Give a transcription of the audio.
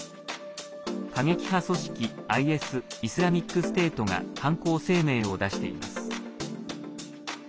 過激派組織ＩＳ＝イスラミックステートが犯行声明を出しています。